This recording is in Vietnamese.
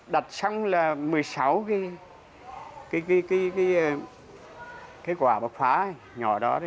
đặt xong là một mươi sáu cái quả mà phá nhỏ đó